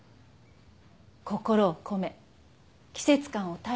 心を込め季節感を大切にする。